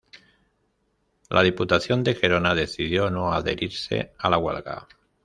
La Diputación de Gerona decidió no adherirse a la huelga.